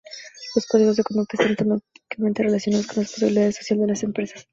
Los códigos de conducta están temáticamente relacionados con la responsabilidad social de las empresas.